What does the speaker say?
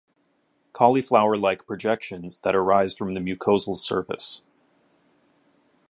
Cauliflower-like projections that arise from the mucosal surface.